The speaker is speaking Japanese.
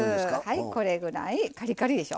これぐらいカリカリでしょ。